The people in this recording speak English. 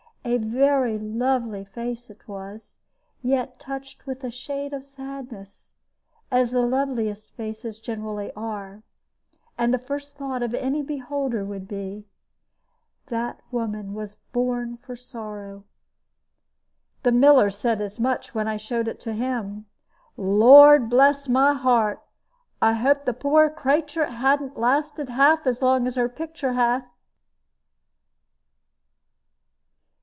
A very lovely face it was, yet touched with a shade of sadness, as the loveliest faces generally are; and the first thought of any beholder would be, "That woman was born for sorrow." The miller said as much when I showed it to him. "Lord bless my heart! I hope the poor craitur' hathn't lasted half so long as her pictur' hath."